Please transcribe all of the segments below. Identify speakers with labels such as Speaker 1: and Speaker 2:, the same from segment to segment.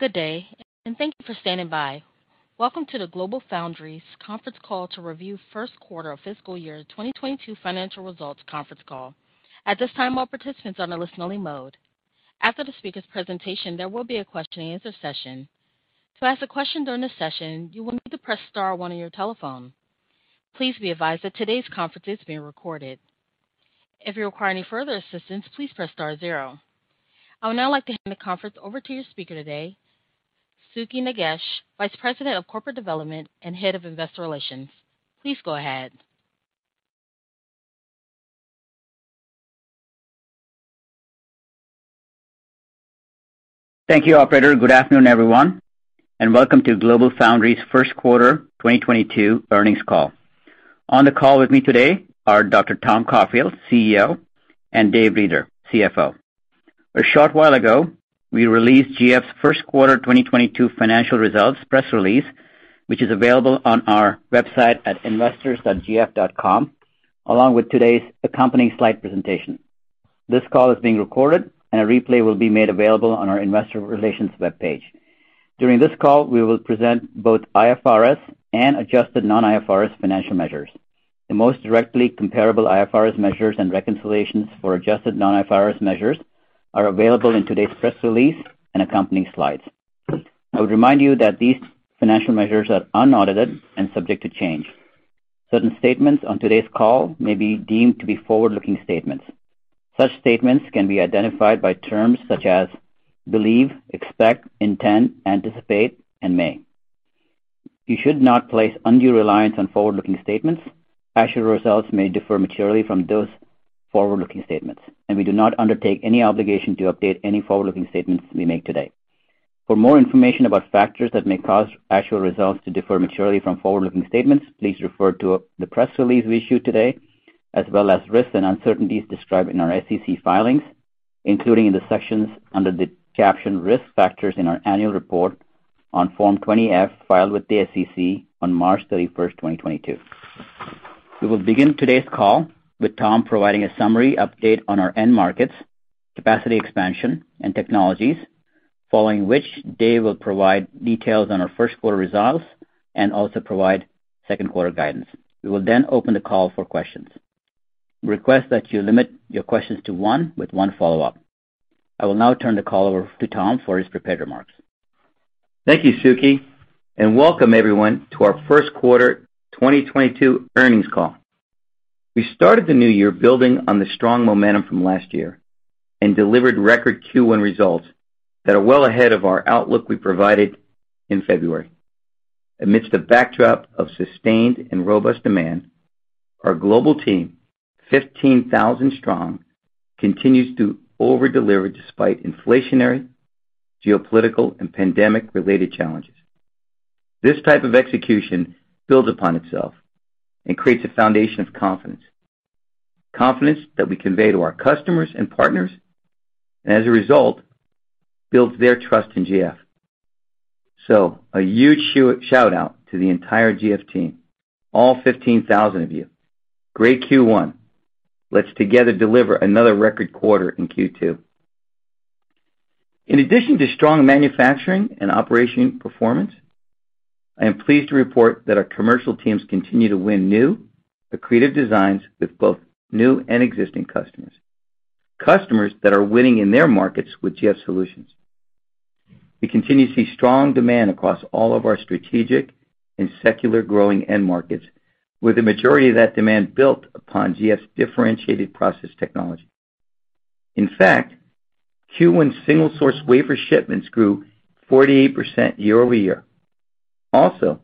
Speaker 1: Good day, and thank you for standing by. Welcome to the GlobalFoundries conference call to review first quarter of fiscal year 2022 financial results conference call. At this time, all participants are in a listen only mode. After the speaker's presentation, there will be a questioning answer session. To ask a question during this session, you will need to press star one on your telephone. Please be advised that today's conference is being recorded. If you require any further assistance, please press star zero. I would now like to hand the conference over to your speaker today, Sukhi Nagesh, Vice President of Corporate Development and Head of Investor Relations. Please go ahead.
Speaker 2: Thank you, operator. Good afternoon, everyone, and welcome to GlobalFoundries first quarter 2022 earnings call. On the call with me today are Dr. Tom Caulfield, CEO, and Dave Reeder, CFO. A short while ago, we released GF's first quarter 2022 financial results press release, which is available on our website at investors.gf.com, along with today's accompanying slide presentation. This call is being recorded, and a replay will be made available on our investor relations webpage. During this call, we will present both IFRS and adjusted non-IFRS financial measures. The most directly comparable IFRS measures and reconciliations for adjusted non-IFRS measures are available in today's press release and accompanying slides. I would remind you that these financial measures are unaudited and subject to change. Certain statements on today's call may be deemed to be forward-looking statements. Such statements can be identified by terms such as believe, expect, intend, anticipate, and may. You should not place undue reliance on forward-looking statements. Actual results may differ materially from those forward-looking statements, and we do not undertake any obligation to update any forward-looking statements we make today. For more information about factors that may cause actual results to differ materially from forward-looking statements, please refer to the press release we issued today, as well as risks and uncertainties described in our SEC filings, including in the sections under the caption Risk Factors in our annual report on Form 20-F, filed with the SEC on March 31st, 2022. We will begin today's call with Tom providing a summary update on our end markets, capacity expansion, and technologies, following which Dave will provide details on our first quarter results and also provide second quarter guidance. We will then open the call for questions. We request that you limit your questions to one, with one follow-up. I will now turn the call over to Tom for his prepared remarks.
Speaker 3: Thank you, Sukhi, and welcome everyone to our first quarter 2022 earnings call. We started the new year building on the strong momentum from last year and delivered record Q1 results that are well ahead of our outlook we provided in February. Amidst the backdrop of sustained and robust demand, our global team, 15,000 strong, continues to over-deliver despite inflationary, geopolitical, and pandemic-related challenges. This type of execution builds upon itself and creates a foundation of confidence. Confidence that we convey to our customers and partners, and as a result, builds their trust in GF. A huge shout out to the entire GF team, all 15,000 of you. Great Q1. Let's together deliver another record quarter in Q2. In addition to strong manufacturing and operation performance, I am pleased to report that our commercial teams continue to win new, creative designs with both new and existing customers. Customers that are winning in their markets with GF solutions. We continue to see strong demand across all of our strategic and secular growing end markets, with the majority of that demand built upon GF's differentiated process technology. In fact, Q1 single source wafer shipments grew 48% year-over-year. Also,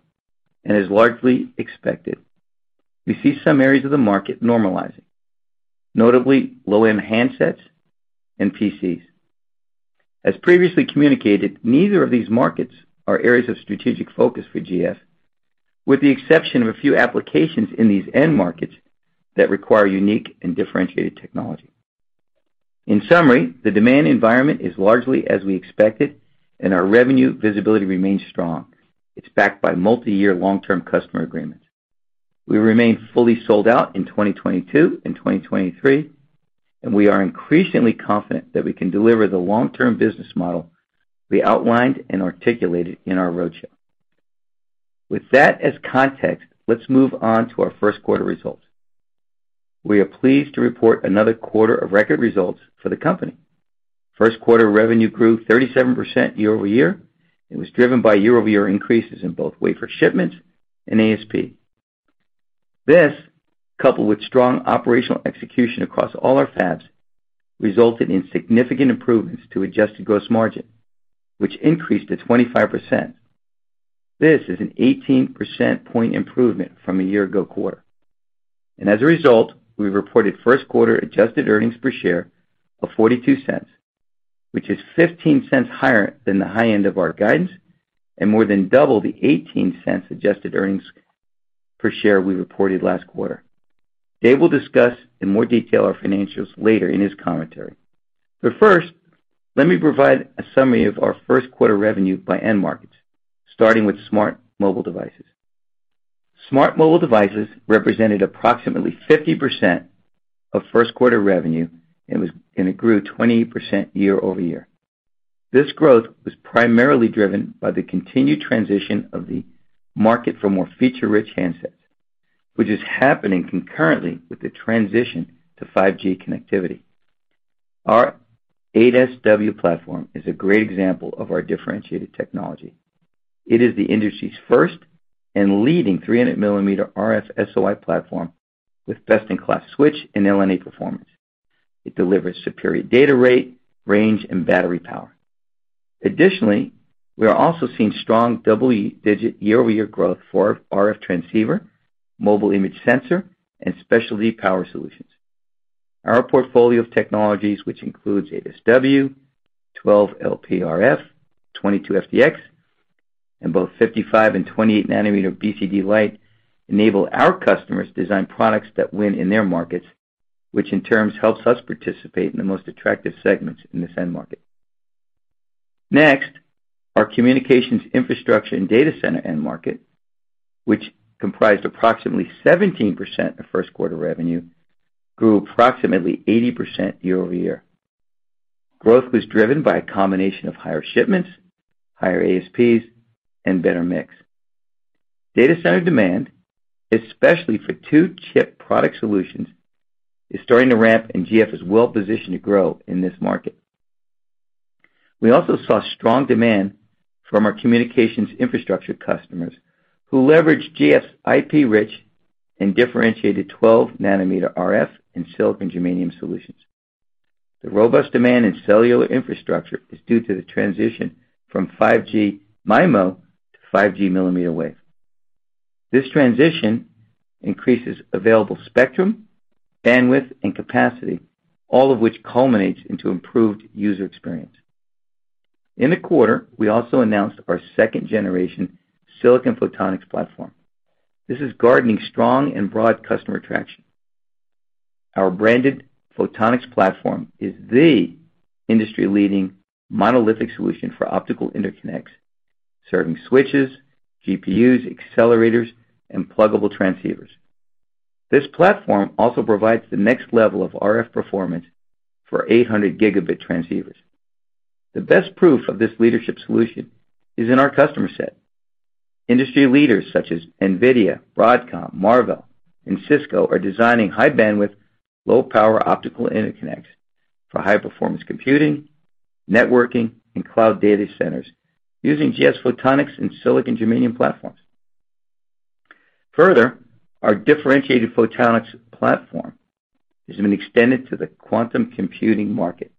Speaker 3: and as largely expected, we see some areas of the market normalizing, notably low-end handsets and PCs. As previously communicated, neither of these markets are areas of strategic focus for GF, with the exception of a few applications in these end markets that require unique and differentiated technology. In summary, the demand environment is largely as we expected, and our revenue visibility remains strong. It's backed by multi-year long-term customer agreements. We remain fully sold out in 2022 and 2023, and we are increasingly confident that we can deliver the long-term business model we outlined and articulated in our road show. With that as context, let's move on to our first quarter results. We are pleased to report another quarter of record results for the company. First quarter revenue grew 37% year-over-year and was driven by year-over-year increases in both wafer shipments and ASP. This, coupled with strong operational execution across all our fabs, resulted in significant improvements to adjusted gross margin, which increased to 25%. This is an 18 percentage point improvement from a year-ago quarter. As a result, we reported first quarter adjusted earnings per share of $0.42, which is $0.15 higher than the high end of our guidance and more than double the $0.18 adjusted earnings per share we reported last quarter. Dave will discuss in more detail our financials later in his commentary. First, let me provide a summary of our first quarter revenue by end markets, starting with smart mobile devices. Smart mobile devices represented approximately 50% of first quarter revenue and it grew 20% year-over-year. This growth was primarily driven by the continued transition of the market for more feature-rich handsets, which is happening concurrently with the transition to 5G connectivity. Our 8SW platform is a great example of our differentiated technology. It is the industry's first and leading 300 millimeter RF SOI platform with best-in-class switch and LNA performance. It delivers superior data rate, range, and battery power. Additionally, we are also seeing strong double-digit year-over-year growth for RF transceiver, mobile image sensor, and specialty power solutions. Our portfolio of technologies, which includes 8SW, 12LP RF, 22FDX, and both 55 and 28 nanometer BCDLite, enable our customers to design products that win in their markets, which in turn helps us participate in the most attractive segments in this end market. Next, our communications infrastructure and data center end market, which comprised approximately 17% of first quarter revenue, grew approximately 80% year-over-year. Growth was driven by a combination of higher shipments, higher ASPs, and better mix. Data center demand, especially for two-chip product solutions, is starting to ramp, and GF is well positioned to grow in this market. We also saw strong demand from our communications infrastructure customers who leveraged GF's IP-rich and differentiated 12 nanometer RF and silicon germanium solutions. The robust demand in cellular infrastructure is due to the transition from 5G MIMO to 5G millimeter wave. This transition increases available spectrum, bandwidth, and capacity, all of which culminates into improved user experience. In the quarter, we also announced our second generation silicon photonics platform. This is garnering strong and broad customer traction. Our branded photonics platform is the industry-leading monolithic solution for optical interconnects, serving switches, GPUs, accelerators, and pluggable transceivers. This platform also provides the next level of RF performance for 800 Gb transceivers. The best proof of this leadership solution is in our customer set. Industry leaders such as NVIDIA, Broadcom, Marvell, and Cisco are designing high bandwidth, low power optical interconnects for high performance computing, networking, and cloud data centers using GF photonics and silicon germanium platforms. Further, our differentiated photonics platform has been extended to the quantum computing market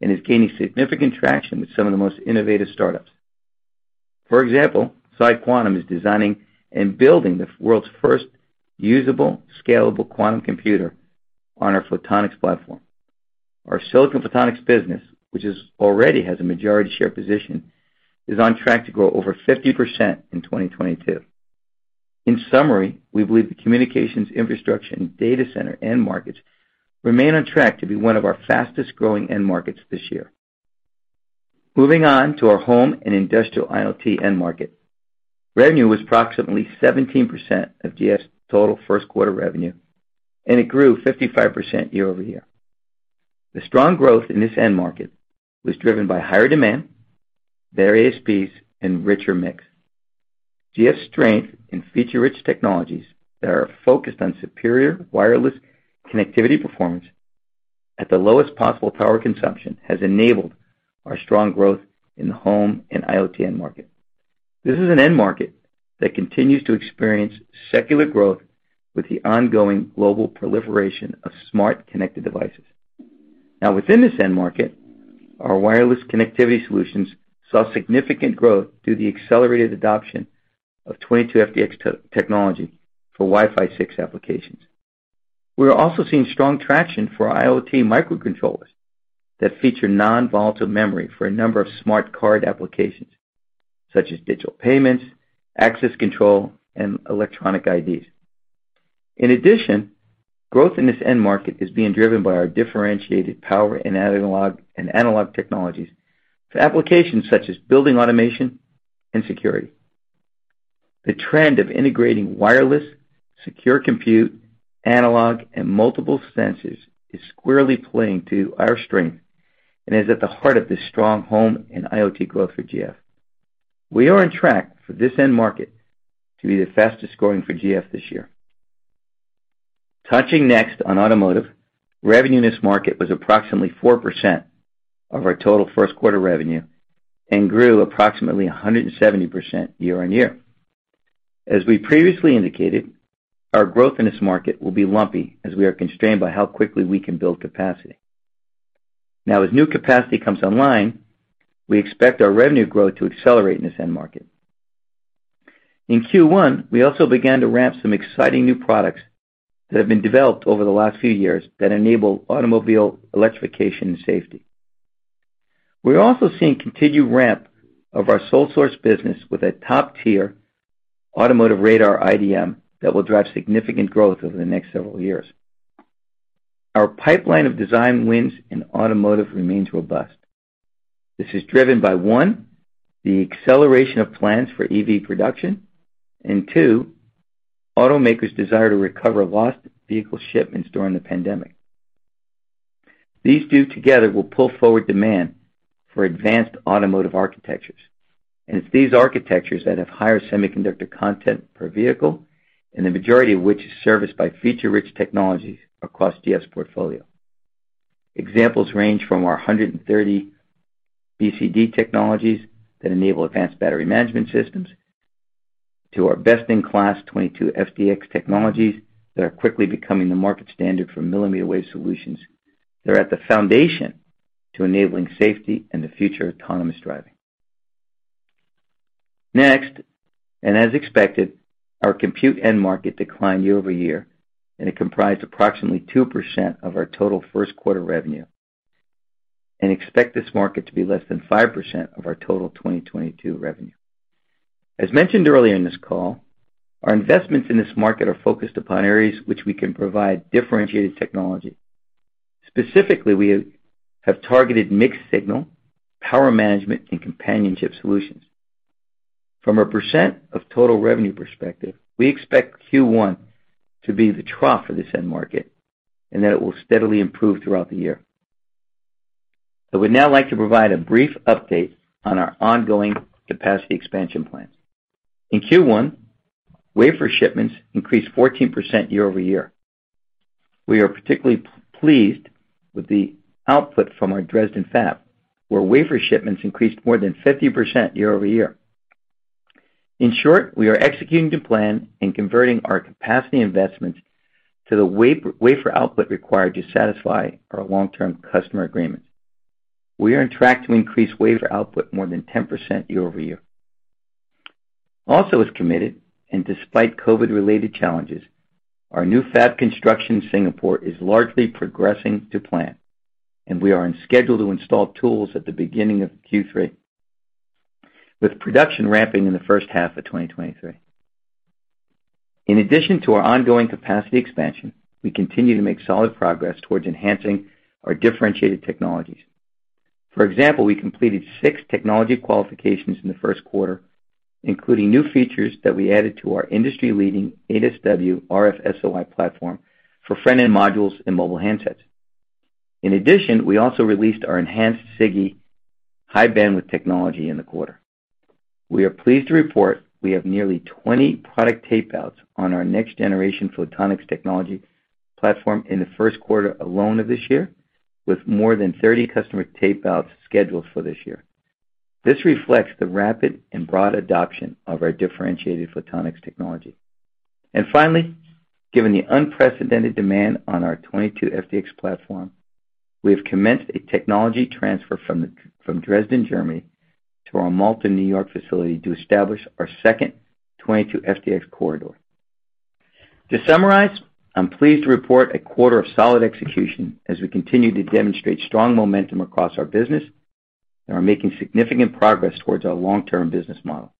Speaker 3: and is gaining significant traction with some of the most innovative startups. For example, PsiQuantum is designing and building the world's first usable, scalable quantum computer on our photonics platform. Our silicon photonics business, which already has a majority share position, is on track to grow over 50% in 2022. In summary, we believe the communications infrastructure and data center end markets remain on track to be one of our fastest-growing end markets this year. Moving on to our home and industrial IoT end market. Revenue was approximately 17% of GF's total first quarter revenue, and it grew 55% year-over-year. The strong growth in this end market was driven by higher demand, their ASPs, and richer mix. GF's strength in feature-rich technologies that are focused on superior wireless connectivity performance at the lowest possible power consumption has enabled our strong growth in the home and IoT end market. This is an end market that continues to experience secular growth with the ongoing global proliferation of smart connected devices. Now, within this end market, our wireless connectivity solutions saw significant growth due to the accelerated adoption of 22FDX technology for Wi-Fi 6 applications. We are also seeing strong traction for our IoT microcontrollers that feature non-volatile memory for a number of smart card applications, such as digital payments, access control, and electronic IDs. In addition, growth in this end market is being driven by our differentiated power and analog technologies for applications such as building automation and security. The trend of integrating wireless, secure compute, analog, and multiple sensors is squarely playing to our strength and is at the heart of this strong home and IoT growth for GF. We are on track for this end market to be the fastest growing for GF this year. Touching next on automotive. Revenue in this market was approximately 4% of our total first quarter revenue and grew approximately 170% year-on-year. As we previously indicated, our growth in this market will be lumpy as we are constrained by how quickly we can build capacity. Now, as new capacity comes online, we expect our revenue growth to accelerate in this end market. In Q1, we also began to ramp some exciting new products that have been developed over the last few years that enable automobile electrification and safety. We're also seeing continued ramp of our sole source business with a top-tier automotive radar IDM that will drive significant growth over the next several years. Our pipeline of design wins in automotive remains robust. This is driven by, one, the acceleration of plans for EV production, and two, automakers' desire to recover lost vehicle shipments during the pandemic. These two together will pull forward demand for advanced automotive architectures, and it's these architectures that have higher semiconductor content per vehicle, and the majority of which is serviced by feature-rich technologies across GF's portfolio. Examples range from our 130 BCD technologies that enable advanced battery management systems to our best-in-class 22FDX technologies that are quickly becoming the market standard for millimeter wave solutions that are at the foundation to enabling safety and the future of autonomous driving. Next, and as expected, our compute end market declined year-over-year, and it comprised approximately 2% of our total first quarter revenue, and expect this market to be less than 5% of our total 2022 revenue. As mentioned earlier in this call, our investments in this market are focused upon areas which we can provide differentiated technology. Specifically, we have targeted mixed signal, power management, and companion solutions. From a percent of total revenue perspective, we expect Q1 to be the trough for this end market and that it will steadily improve throughout the year. I would now like to provide a brief update on our ongoing capacity expansion plans. In Q1, wafer shipments increased 14% year-over-year. We are particularly pleased with the output from our Dresden fab, where wafer shipments increased more than 50% year-over-year. In short, we are executing to plan and converting our capacity investments to the wafer output required to satisfy our long-term customer agreements. We are on track to increase wafer output more than 10% year-over-year. Also as committed, and despite COVID-related challenges, our new fab construction in Singapore is largely progressing to plan, and we are on schedule to install tools at the beginning of Q3, with production ramping in the first half of 2023. In addition to our ongoing capacity expansion, we continue to make solid progress towards enhancing our differentiated technologies. For example, we completed 6 technology qualifications in the first quarter, including new features that we added to our industry-leading 8SW RF SOI platform for front-end modules and mobile handsets. In addition, we also released our enhanced SiGe high bandwidth technology in the quarter. We are pleased to report we have nearly 20 product tape outs on our next-generation photonics technology platform in the first quarter alone of this year, with more than 30 customer tape outs scheduled for this year. This reflects the rapid and broad adoption of our differentiated photonics technology. Finally, given the unprecedented demand on our 22FDX platform, we have commenced a technology transfer from Dresden, Germany, to our Malta, New York, facility to establish our second 22FDX corridor. To summarize, I'm pleased to report a quarter of solid execution as we continue to demonstrate strong momentum across our business and are making significant progress towards our long-term business model.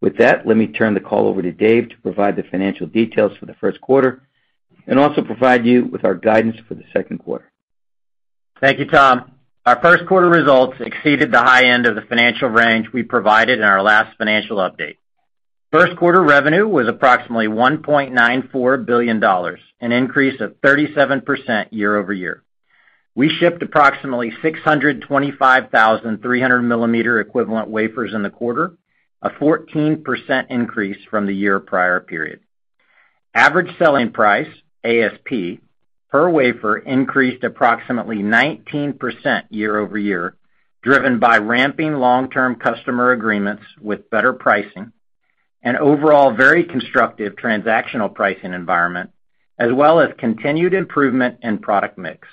Speaker 3: With that, let me turn the call over to Dave to provide the financial details for the first quarter and also provide you with our guidance for the second quarter.
Speaker 4: Thank you, Tom. Our first quarter results exceeded the high end of the financial range we provided in our last financial update. First quarter revenue was approximately $1.94 billion, an increase of 37% year-over-year. We shipped approximately 625,000 300 millimeter equivalent wafers in the quarter, a 14% increase from the year-prior period. Average selling price, ASP, per wafer increased approximately 19% year-over-year, driven by ramping long-term customer agreements with better pricing and overall very constructive transactional pricing environment, as well as continued improvement in product mix.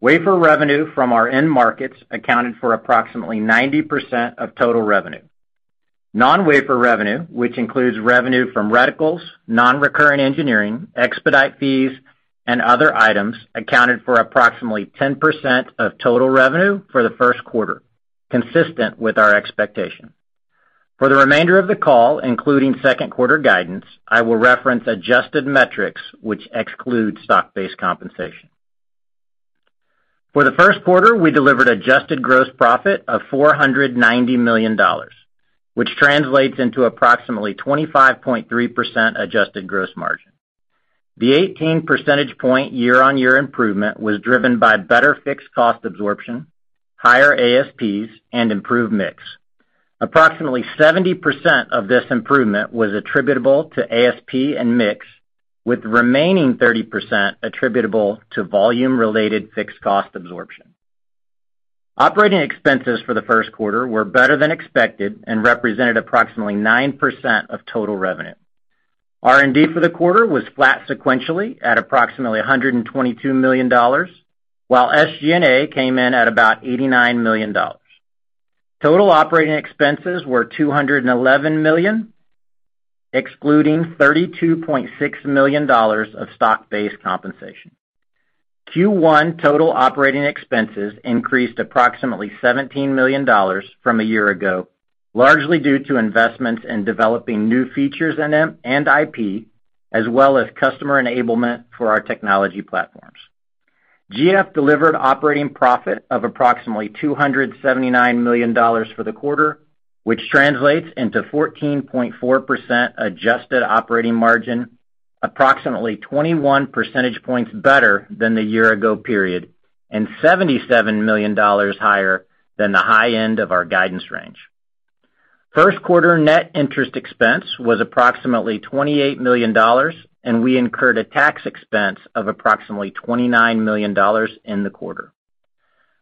Speaker 4: Wafer revenue from our end markets accounted for approximately 90% of total revenue. Non-wafer revenue, which includes revenue from reticles, non-recurring engineering, expedite fees, and other items, accounted for approximately 10% of total revenue for the first quarter, consistent with our expectation. For the remainder of the call, including second quarter guidance, I will reference adjusted metrics which exclude stock-based compensation. For the first quarter, we delivered adjusted gross profit of $490 million, which translates into approximately 25.3% adjusted gross margin. The 18 percentage point year-on-year improvement was driven by better fixed cost absorption, higher ASPs, and improved mix. Approximately 70% of this improvement was attributable to ASP and mix, with remaining 30% attributable to volume-related fixed cost absorption. Operating expenses for the first quarter were better than expected and represented approximately 9% of total revenue. R&D for the quarter was flat sequentially at approximately $122 million, while SG&A came in at about $89 million. Total operating expenses were $211 million, excluding $32.6 million of stock-based compensation. Q1 total operating expenses increased approximately $17 million from a year ago. Largely due to investments in developing new features in them and IP, as well as customer enablement for our technology platforms. GF delivered operating profit of approximately $279 million for the quarter, which translates into 14.4% adjusted operating margin, approximately 21 percentage points better than the year ago period, and $77 million higher than the high end of our guidance range. First quarter net interest expense was approximately $28 million, and we incurred a tax expense of approximately $29 million in the quarter.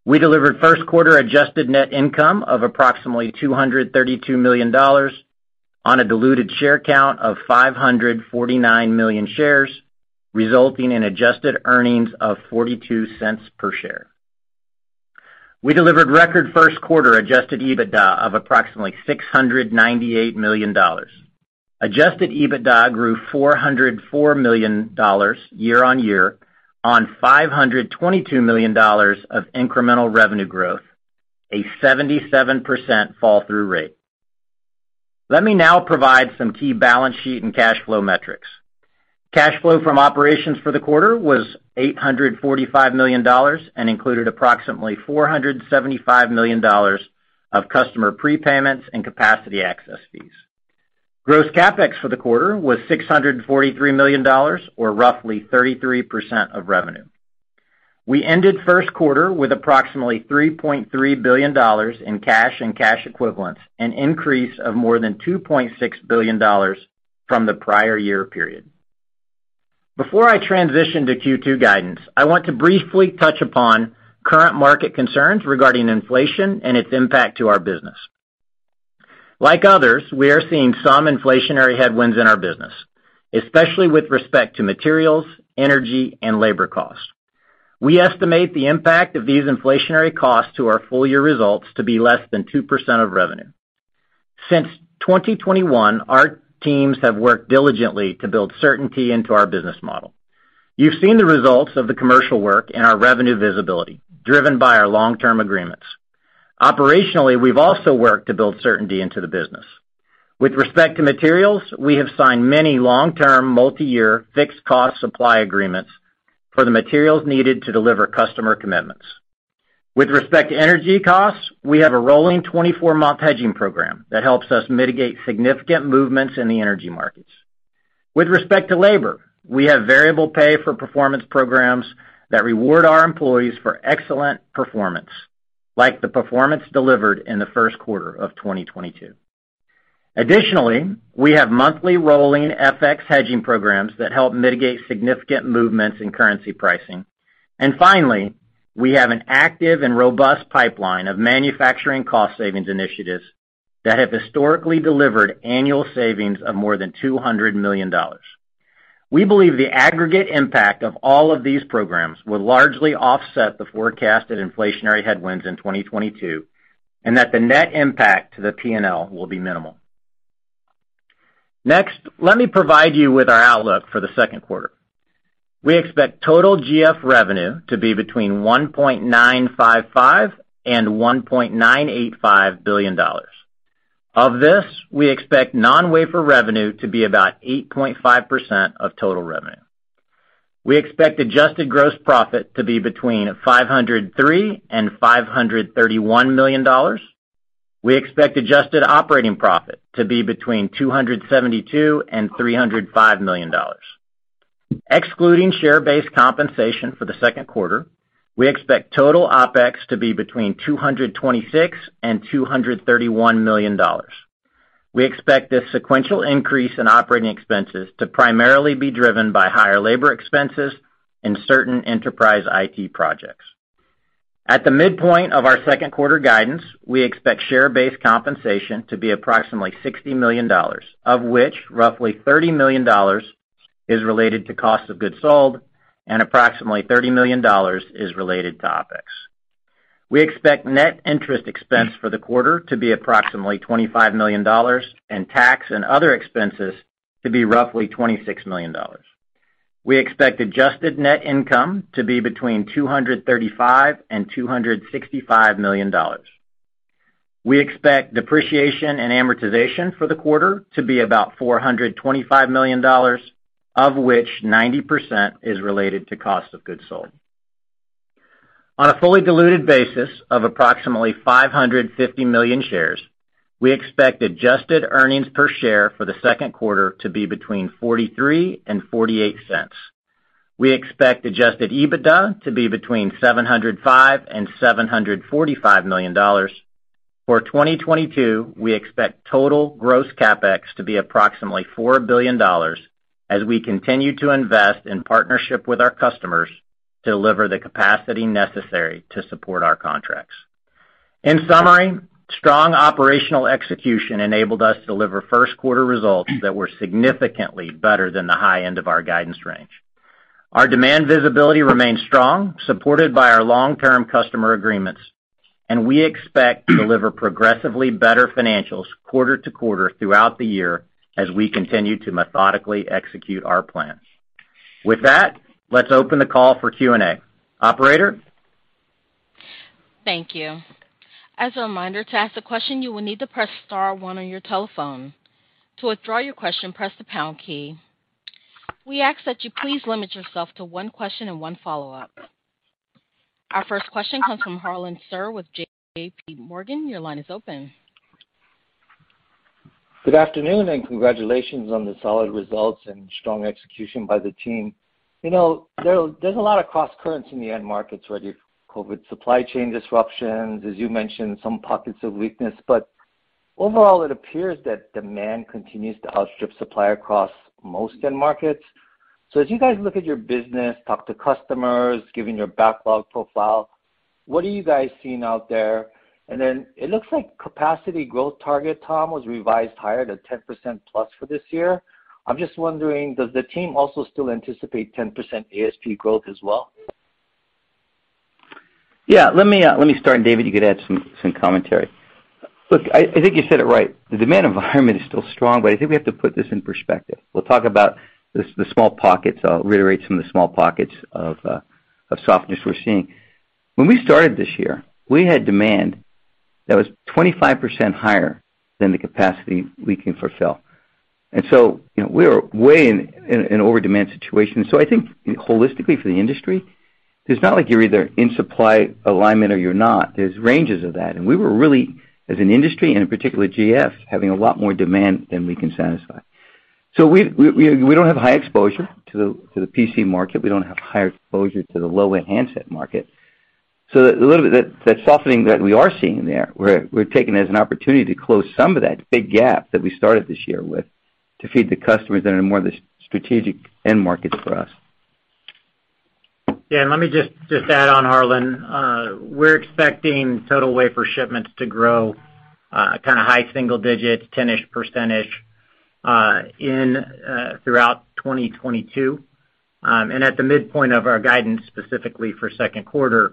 Speaker 4: We delivered first quarter adjusted net income of approximately $232 million on a diluted share count of 549 million shares, resulting in adjusted earnings of $0.42 per share. We delivered record first quarter Adjusted EBITDA of approximately $698 million. Adjusted EBITDA grew $404 million year-on-year on $522 million of incremental revenue growth, a 77% flow-through rate. Let me now provide some key balance sheet and cash flow metrics. Cash flow from operations for the quarter was $845 million and included approximately $475 million of customer prepayments and capacity access fees. Gross CapEx for the quarter was $643 million, or roughly 33% of revenue. We ended first quarter with approximately $3.3 billion in cash and cash equivalents, an increase of more than $2.6 billion from the prior year period. Before I transition to Q2 guidance, I want to briefly touch upon current market concerns regarding inflation and its impact to our business. Like others, we are seeing some inflationary headwinds in our business, especially with respect to materials, energy, and labor costs. We estimate the impact of these inflationary costs to our full year results to be less than 2% of revenue. Since 2021, our teams have worked diligently to build certainty into our business model. You've seen the results of the commercial work in our revenue visibility, driven by our long-term agreements. Operationally, we've also worked to build certainty into the business. With respect to materials, we have signed many long-term, multi-year fixed cost supply agreements for the materials needed to deliver customer commitments. With respect to energy costs, we have a rolling 24-month hedging program that helps us mitigate significant movements in the energy markets. With respect to labor, we have variable pay for performance programs that reward our employees for excellent performance, like the performance delivered in the first quarter of 2022. Additionally, we have monthly rolling FX hedging programs that help mitigate significant movements in currency pricing. Finally, we have an active and robust pipeline of manufacturing cost savings initiatives that have historically delivered annual savings of more than $200 million. We believe the aggregate impact of all of these programs will largely offset the forecasted inflationary headwinds in 2022, and that the net impact to the P&L will be minimal. Next, let me provide you with our outlook for the second quarter. We expect total GF revenue to be between $1.955 billion and $1.985 billion. Of this, we expect non-wafer revenue to be about 8.5% of total revenue. We expect adjusted gross profit to be between $503 million and $531 million. We expect adjusted operating profit to be between $272 million and $305 million. Excluding share-based compensation for the second quarter, we expect total OpEx to be between $226 million and $231 million. We expect this sequential increase in operating expenses to primarily be driven by higher labor expenses and certain enterprise IT projects. At the midpoint of our second quarter guidance, we expect share-based compensation to be approximately $60 million, of which roughly $30 million is related to cost of goods sold and approximately $30 million is related to OpEx. We expect net interest expense for the quarter to be approximately $25 million and tax and other expenses to be roughly $26 million. We expect adjusted net income to be between $235 million and $265 million. We expect depreciation and amortization for the quarter to be about $425 million, of which 90% is related to cost of goods sold. On a fully diluted basis of approximately 550 million shares, we expect adjusted earnings per share for the second quarter to be between $0.43 and $0.48. We expect Adjusted EBITDA to be between $705 million and $745 million. For 2022, we expect total gross CapEx to be approximately $4 billion as we continue to invest in partnership with our customers to deliver the capacity necessary to support our contracts. In summary, strong operational execution enabled us to deliver first quarter results that were significantly better than the high end of our guidance range. Our demand visibility remains strong, supported by our long-term customer agreements, and we expect to deliver progressively better financials quarter to quarter throughout the year as we continue to methodically execute our plans. With that, let's open the call for Q&A. Operator?
Speaker 1: Thank you. As a reminder, to ask a question, you will need to press star one on your telephone. To withdraw your question, press the pound key. We ask that you please limit yourself to one question and one follow-up. Our first question comes from Harlan Sur with JPMorgan, your line is open.
Speaker 5: Good afternoon, and congratulations on the solid results and strong execution by the team. You know, there's a lot of crosscurrents in the end markets, whether COVID supply chain disruptions, as you mentioned, some pockets of weakness. Overall, it appears that demand continues to outstrip supply across most end markets. As you guys look at your business, talk to customers, given your backlog profile, what are you guys seeing out there? Then it looks like capacity growth target, Tom, was revised higher to 10%+ for this year. I'm just wondering, does the team also still anticipate 10% ASP growth as well?
Speaker 3: Yeah. Let me start, and Dave, you could add some commentary. Look, I think you said it right. The demand environment is still strong, but I think we have to put this in perspective. We'll talk about the small pockets. I'll reiterate some of the small pockets of softness we're seeing. When we started this year, we had demand that was 25% higher than the capacity we can fulfill. You know, we're way in an overdemand situation. I think holistically for the industry, it's not like you're either in supply alignment or you're not. There's ranges of that. We were really, as an industry, and in particular GF, having a lot more demand than we can satisfy. We don't have high exposure to the PC market. We don't have high exposure to the low-end handset market. A little bit of that softening that we are seeing there, we're taking it as an opportunity to close some of that big gap that we started this year with to feed the customers that are more the strategic end markets for us.
Speaker 4: Yeah. Let me just add on, Harlan. We're expecting total wafer shipments to grow kind of high single digits, 10-ish%, throughout 2022. At the midpoint of our guidance, specifically for second quarter,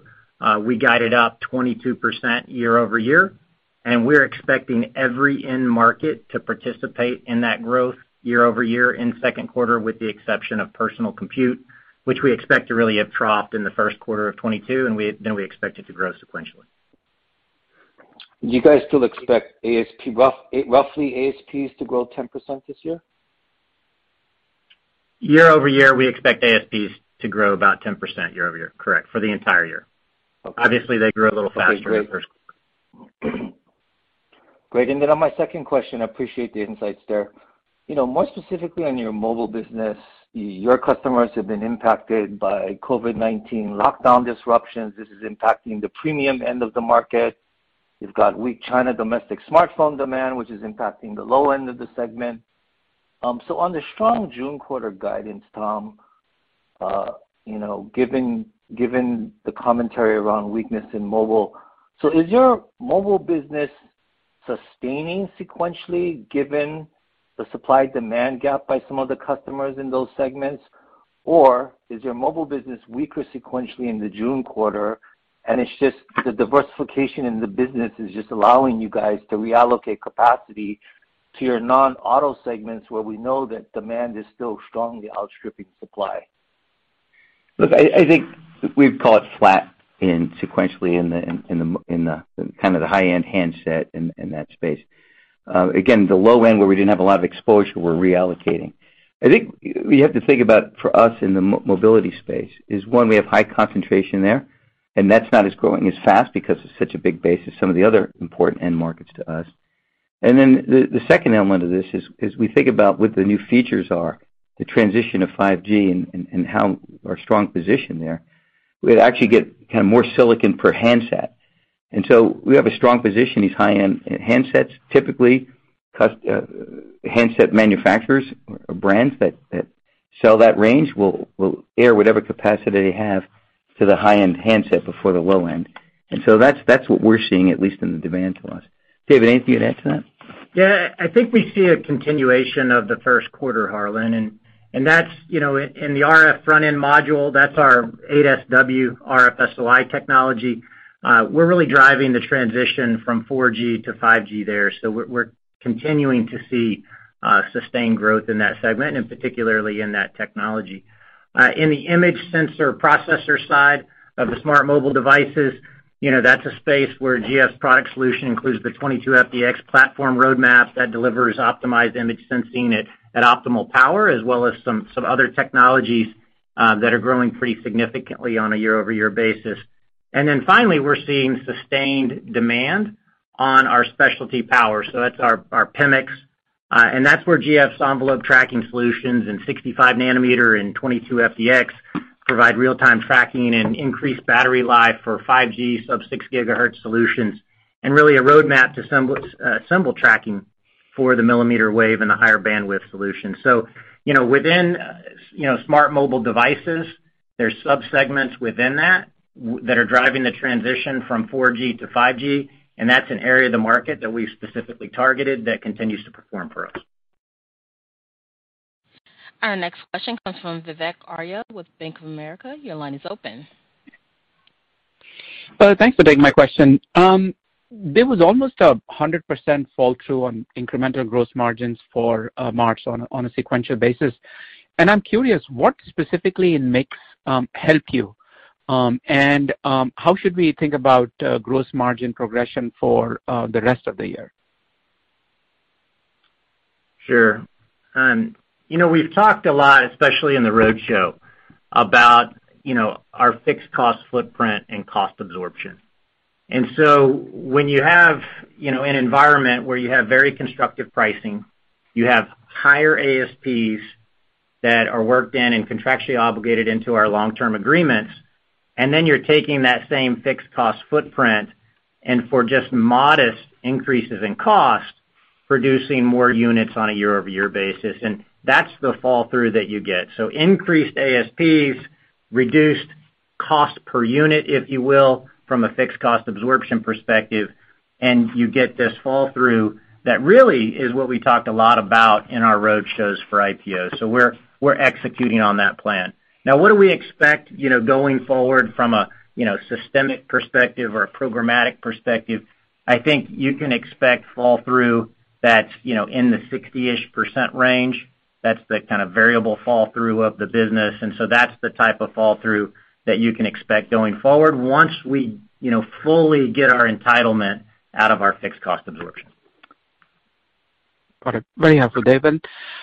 Speaker 4: we guided up 22% year-over-year, and we're expecting every end market to participate in that growth year-over-year in second quarter, with the exception of personal compute, which we expect to really have troughed in the first quarter of 2022, and then we expect it to grow sequentially.
Speaker 5: Do you guys still expect ASPs roughly to grow 10% this year?
Speaker 4: Year-over-year, we expect ASPs to grow about 10% year-over-year. Correct. For the entire year.
Speaker 5: Okay.
Speaker 4: Obviously, they grew a little faster in the first quarter.
Speaker 5: Okay, great. Great. Then on my second question, I appreciate the insights there. You know, more specifically on your mobile business, your customers have been impacted by COVID-19 lockdown disruptions. This is impacting the premium end of the market. You've got weak China domestic smartphone demand, which is impacting the low end of the segment. So on the strong June quarter guidance, Tom, you know, given the commentary around weakness in mobile, so is your mobile business sustaining sequentially, given the supply-demand gap by some of the customers in those segments? Or is your mobile business weaker sequentially in the June quarter, and it's just the diversification in the business is just allowing you guys to reallocate capacity to your non-auto segments where we know that demand is still strongly outstripping supply?
Speaker 3: Look, I think we'd call it flat sequentially in the kind of high-end handset in that space. Again, the low end where we didn't have a lot of exposure, we're reallocating. I think we have to think about for us in the mobility space is one, we have high concentration there, and that's not growing as fast because it's such a big base as some of the other important end markets to us. The second element of this is we think about what the new features are, the transition to 5G and how our strong position there. We'd actually get kind of more silicon per handset. We have a strong position in these high-end handsets. Typically, handset manufacturers or brands that sell that range will air whatever capacity they have to the high-end handset before the low-end. That's what we're seeing, at least in the demand to us. Dave, anything to add to that?
Speaker 4: I think we see a continuation of the first quarter, Harlan, and that's, you know, in the RF front-end module, that's our 8SW RF SOI technology. We're really driving the transition from 4G to 5G there. We're continuing to see sustained growth in that segment and particularly in that technology. In the image sensor processor side of the smart mobile devices, you know, that's a space where GF's product solution includes the 22FDX platform roadmap that delivers optimized image sensing at optimal power, as well as some other technologies that are growing pretty significantly on a year-over-year basis. Finally, we're seeing sustained demand on our specialty power. That's our PMICs, and that's where GF's envelope tracking solutions in 65 nanometer and 22FDX provide real-time tracking and increased battery life for 5G sub-6 GHz solutions, and really a roadmap to assemble tracking for the millimeter wave and the higher bandwidth solution. You know, within, you know, smart mobile devices, there's sub-segments within that are driving the transition from 4G to 5G, and that's an area of the market that we've specifically targeted that continues to perform for us.
Speaker 1: Our next question comes from Vivek Arya with Bank of America. Your line is open.
Speaker 6: Thanks for taking my question. There was almost 100% flow-through on incremental gross margins for March on a sequential basis. I'm curious, what specifically in mix help you? How should we think about gross margin progression for the rest of the year?
Speaker 4: Sure. You know, we've talked a lot, especially in the roadshow, about, you know, our fixed cost footprint and cost absorption. When you have, you know, an environment where you have very constructive pricing, you have higher ASPs that are worked in and contractually obligated into our long-term agreements, and then you're taking that same fixed cost footprint and for just modest increases in cost, producing more units on a year-over-year basis, and that's the fall-through that you get. Increased ASPs, reduced cost per unit, if you will, from a fixed cost absorption perspective, and you get this fall-through that really is what we talked a lot about in our roadshows for IPOs. We're executing on that plan. Now, what do we expect, you know, going forward from a, you know, systemic perspective or a programmatic perspective? I think you can expect flow-through that's, you know, in the 60-ish% range. That's the kind of variable flow-through of the business. That's the type of flow-through that you can expect going forward once we, you know, fully get our entitlement out of our fixed cost absorption.
Speaker 6: Got it. Very helpful, Dave.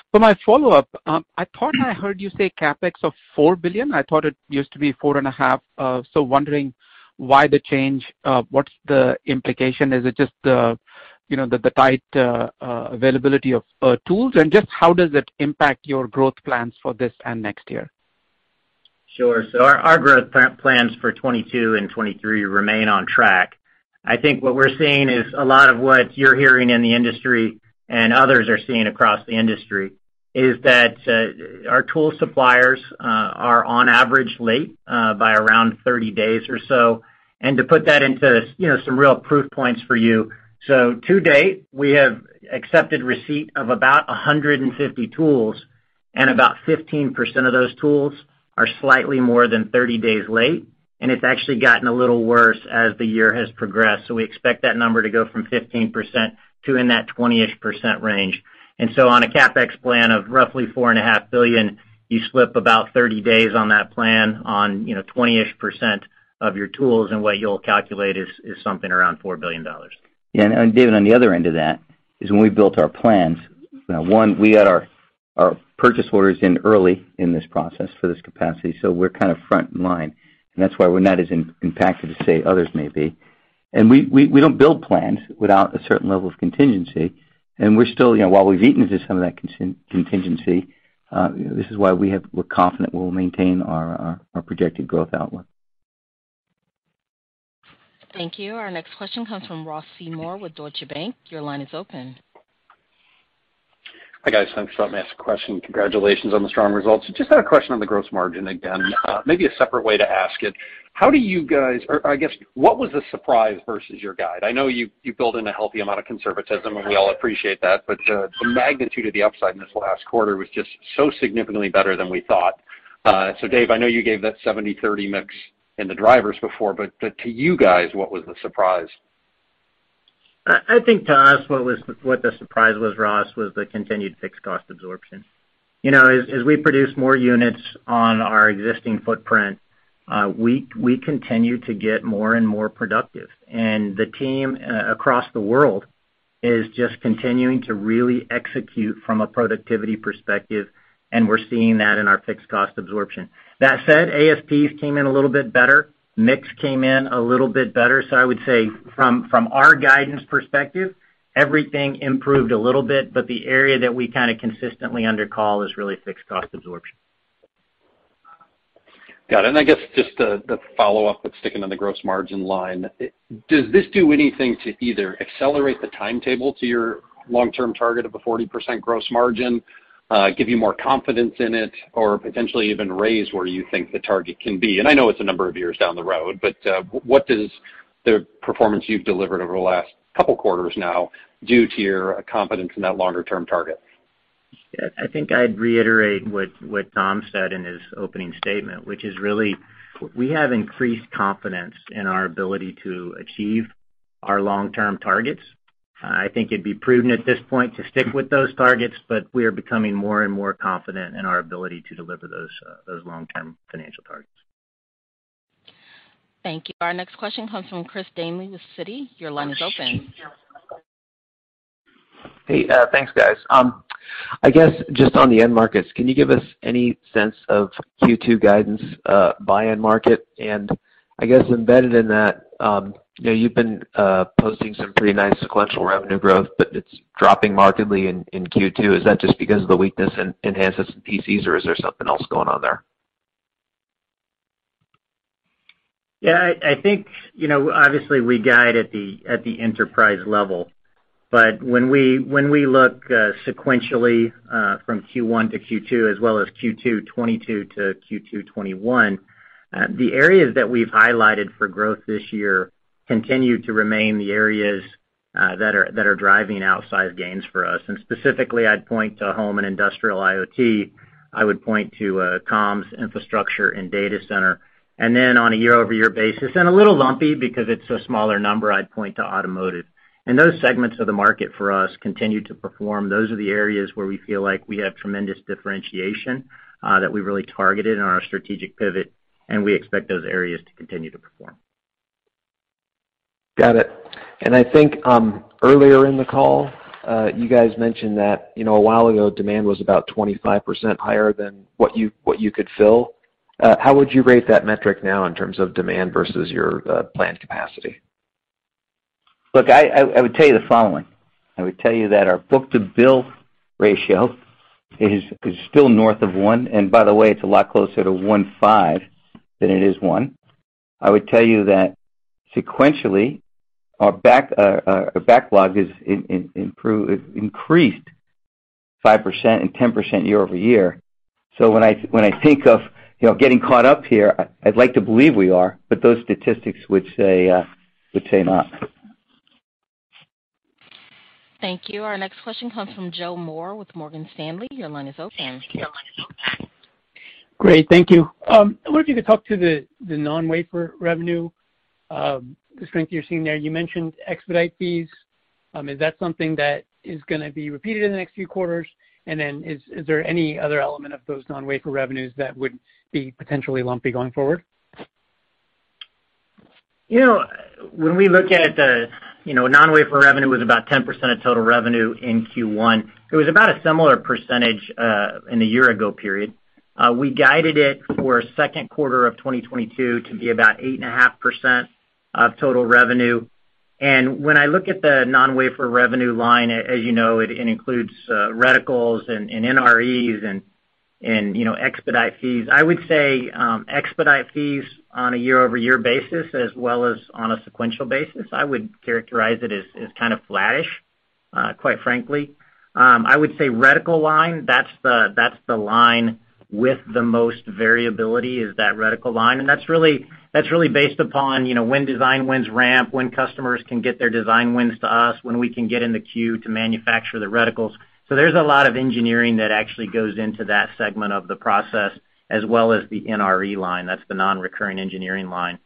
Speaker 6: For my follow-up, I thought I heard you say CapEx of $4 billion. I thought it used to be $4.5 billion. So wondering why the change, what's the implication? Is it just the, you know, the tight availability of tools, and just how does it impact your growth plans for this and next year?
Speaker 4: Sure. Our growth plans for 2022 and 2023 remain on track. I think what we're seeing is a lot of what you're hearing in the industry and others are seeing across the industry is that our tool suppliers are on average late by around 30 days or so. To put that into, you know, some real proof points for you. To date, we have accepted receipt of about 150 tools, and about 15% of those tools are slightly more than 30 days late, and it's actually gotten a little worse as the year has progressed. We expect that number to go from 15% to in that 20-ish% range. On a CapEx plan of roughly $4.5 billion, you slip about 30 days on that plan on, you know, 20-ish% of your tools, and what you'll calculate is something around $4 billion.
Speaker 3: Yeah. David, on the other end of that is when we built our plans. Now one, we had our purchase orders in early in this process for this capacity, so we're kind of front of the line. That's why we're not as impacted as, say, others may be. We don't build plans without a certain level of contingency. We're still, you know, while we've eaten into some of that contingency. This is why we have. We're confident we'll maintain our projected growth outlook.
Speaker 1: Thank you. Our next question comes from Ross Seymore with Deutsche Bank. Your line is open.
Speaker 7: Hi, guys. Thanks for letting me ask a question. Congratulations on the strong results. I just had a question on the gross margin again, maybe a separate way to ask it. Or I guess, what was the surprise versus your guide? I know you build in a healthy amount of conservatism, and we all appreciate that, but the magnitude of the upside in this last quarter was just so significantly better than we thought. Dave, I know you gave that 70/30 mix in the drivers before, but to you guys, what was the surprise?
Speaker 4: I think to us, what the surprise was, Ross, was the continued fixed cost absorption. You know, as we produce more units on our existing footprint, we continue to get more and more productive. The team across the world is just continuing to really execute from a productivity perspective, and we're seeing that in our fixed cost absorption. That said, ASPs came in a little bit better. Mix came in a little bit better. I would say from our guidance perspective, everything improved a little bit, but the area that we kinda consistently under call is really fixed cost absorption.
Speaker 7: Got it. I guess, just the follow-up, but sticking to the gross margin line. Does this do anything to either accelerate the timetable to your long-term target of a 40% gross margin, give you more confidence in it or potentially even raise where you think the target can be? I know it's a number of years down the road, but what does the performance you've delivered over the last couple quarters now do to your confidence in that longer term target?
Speaker 4: Yeah. I think I'd reiterate what Tom said in his opening statement, which is really we have increased confidence in our ability to achieve our long-term targets. I think it'd be prudent at this point to stick with those targets, but we are becoming more and more confident in our ability to deliver those long-term financial targets.
Speaker 1: Thank you. Our next question comes from Chris Danely with Citi. Your line is open.
Speaker 8: Hey. Thanks, guys. I guess just on the end markets, can you give us any sense of Q2 guidance by end market? I guess, embedded in that, you know, you've been posting some pretty nice sequential revenue growth, but it's dropping markedly in Q2. Is that just because of the weakness in handsets and PCs, or is there something else going on there?
Speaker 4: Yeah. I think, you know, obviously we guide at the enterprise level. When we look sequentially from Q1 to Q2, as well as Q2 2022 to Q2 2021, the areas that we've highlighted for growth this year continue to remain the areas that are driving outsized gains for us. Specifically, I'd point to home and industrial IoT. I would point to comms infrastructure and data center. On a year-over-year basis, and a little lumpy because it's a smaller number, I'd point to automotive. Those segments of the market for us continue to perform. Those are the areas where we feel like we have tremendous differentiation that we really targeted in our strategic pivot. We expect those areas to continue to perform.
Speaker 8: Got it. I think earlier in the call, you guys mentioned that, you know, a while ago, demand was about 25% higher than what you could fill. How would you rate that metric now in terms of demand versus your planned capacity?
Speaker 4: Look, I would tell you the following. I would tell you that our book-to-bill ratio is still north of 1. By the way, it's a lot closer to 1.5 than it is 1. I would tell you that sequentially, our backlog is improved, increased 5% and 10% year-over-year. When I think of, you know, getting caught up here, I'd like to believe we are, but those statistics would say not.
Speaker 1: Thank you. Our next question comes from Joe Moore with Morgan Stanley. Your line is open.
Speaker 9: Great. Thank you. I wonder if you could talk to the non-wafer revenue, the strength you're seeing there. You mentioned expedite fees. Is that something that is gonna be repeated in the next few quarters? Is there any other element of those non-wafer revenues that would be potentially lumpy going forward?
Speaker 4: You know, when we look at the non-wafer revenue was about 10% of total revenue in Q1. It was about a similar percentage in a year ago period. We guided it for second quarter of 2022 to be about 8.5% of total revenue. When I look at the non-wafer revenue line, as you know, it includes reticles and NREs and, you know, expedite fees. I would say expedite fees on a year-over-year basis as well as on a sequential basis, I would characterize it as kind of flattish, quite frankly. I would say reticle line, that's the line with the most variability is that reticle line, and that's really based upon, you know, when design wins ramp, when customers can get their design wins to us, when we can get in the queue to manufacture the reticles. There's a lot of engineering that actually goes into that segment of the process as well as the NRE line, that's the non-recurring engineering line.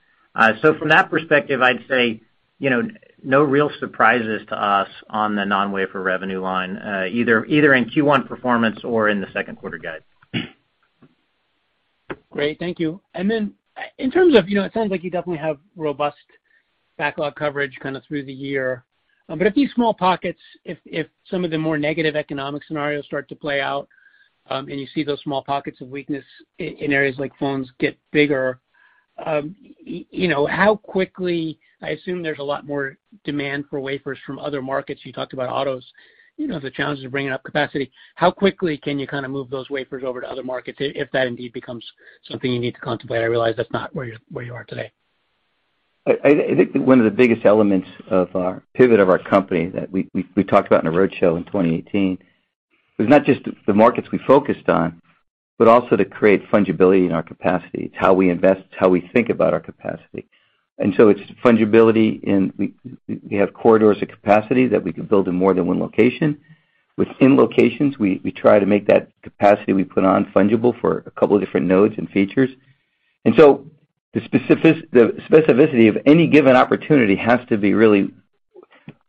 Speaker 4: From that perspective, I'd say, you know, no real surprises to us on the non-wafer revenue line, either in Q1 performance or in the second quarter guide.
Speaker 9: Great. Thank you. In terms of, you know, it sounds like you definitely have robust backlog coverage kind of through the year. If these small pockets, if some of the more negative economic scenarios start to play out, and you see those small pockets of weakness in areas like phones get bigger, you know, how quickly, I assume there's a lot more demand for wafers from other markets. You talked about autos, you know, the challenges of bringing up capacity. How quickly can you kind of move those wafers over to other markets if that indeed becomes something you need to contemplate? I realize that's not where you are today.
Speaker 4: I think one of the biggest elements of our pivot of our company that we talked about in a roadshow in 2018 was not just the markets we focused on, but also to create fungibility in our capacity. It's how we invest, it's how we think about our capacity. It's fungibility, and we have corridors of capacity that we can build in more than one location. Within locations, we try to make that capacity we put on fungible for a couple of different nodes and features. The specificity of any given opportunity has to be really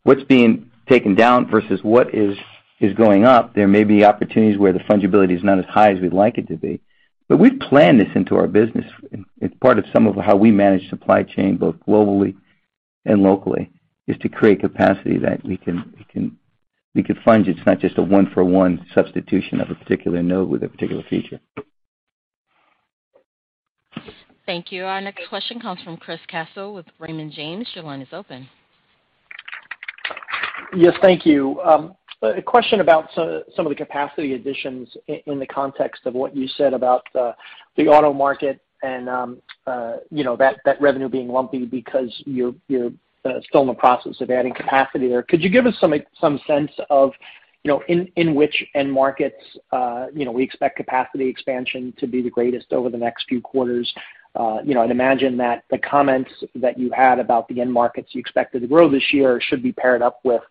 Speaker 4: what's being taken down versus what is going up. There may be opportunities where the fungibility is not as high as we'd like it to be. We've planned this into our business. It's part of some of how we manage supply chain, both globally and locally, is to create capacity that we can fund. It's not just a one for one substitution of a particular node with a particular feature.
Speaker 1: Thank you. Our next question comes from Chris Caso with Raymond James. Your line is open.
Speaker 10: Yes, thank you. A question about some of the capacity additions in the context of what you said about the auto market and you know, that revenue being lumpy because you're still in the process of adding capacity there. Could you give us some sense of you know, in which end markets you know, we expect capacity expansion to be the greatest over the next few quarters? You know, imagine that the comments that you had about the end markets you expect it to grow this year should be paired up with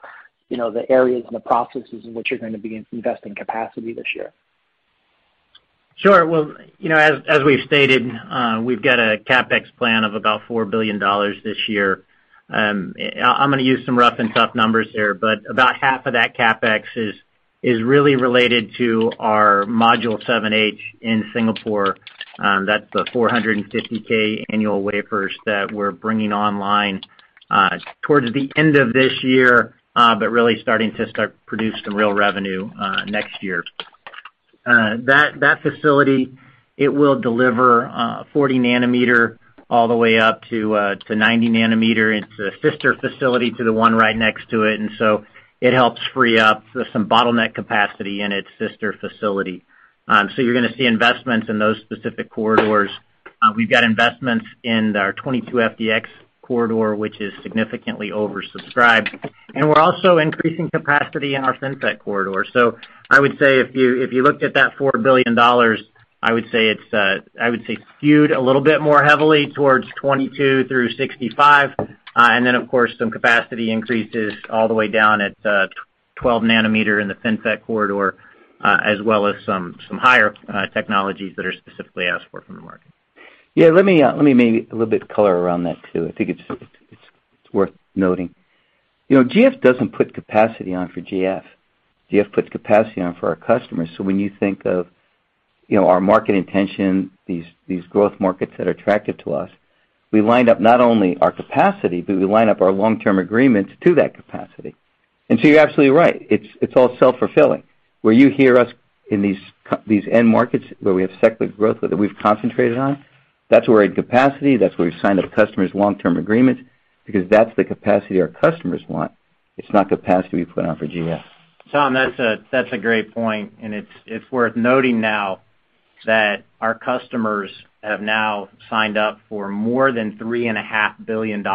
Speaker 10: you know, the areas and the processes in which you're gonna begin to invest in capacity this year.
Speaker 4: Sure. Well, you know, as we've stated, we've got a CapEx plan of about $4 billion this year. I'm gonna use some rough and tough numbers here, but about half of that CapEx is really related to our Fab 7H in Singapore. That's the 450K annual wafers that we're bringing online towards the end of this year, but really starting to produce some real revenue next year. That facility, it will deliver 40 nanometer all the way up to 90 nanometer. It's a sister facility to the one right next to it, and so it helps free up some bottleneck capacity in its sister facility. So you're gonna see investments in those specific corridors. We've got investments in our 22FDX corridor, which is significantly oversubscribed, and we're also increasing capacity in our FinFET corridor. I would say if you looked at that $4 billion, I would say it's skewed a little bit more heavily towards 22 through 65, and then, of course, some capacity increases all the way down at 12 nanometer in the FinFET corridor, as well as some higher technologies that are specifically asked for from the market.
Speaker 3: Yeah, let me maybe a little bit color around that too. I think it's It's worth noting. You know, GF doesn't put capacity on for GF. GF puts capacity on for our customers. When you think of, you know, our market intention, these growth markets that are attractive to us, we line up not only our capacity, but we line up our long-term agreements to that capacity. You're absolutely right. It's all self-fulfilling. Where you hear us in these end markets where we have cyclical growth or that we've concentrated on, that's where our capacity, that's where we've signed up customers' long-term agreements because that's the capacity our customers want. It's not capacity we put on for GF.
Speaker 4: Tom, that's a great point, and it's worth noting now that our customers have now signed up for more than $3.5 billion